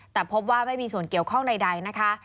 แต่พบว่าไม่มีส่วนเกี่ยวข้องใดนะคะ